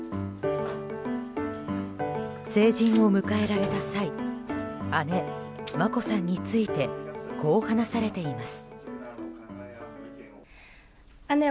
成人を迎えられた際姉・眞子さんについてこう話されています。